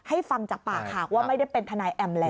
ฟังจากปากหากว่าไม่ได้เป็นทนายแอมแล้ว